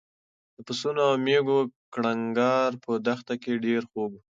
د پسونو او مېږو کړنګار په دښته کې ډېر خوږ و.